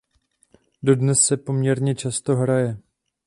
Dodnes se poměrně často hraje.